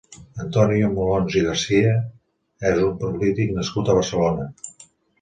Antoni Molons i Garcia és un polític nascut a Barcelona.